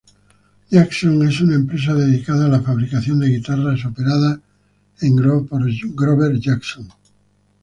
Jackson es una empresa dedicada a la fabricación de guitarras operada Grover Jackson.